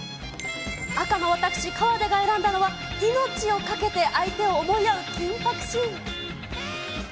赤の私、河出が選んだのは、命を懸けて相手を思い合う緊迫シーン。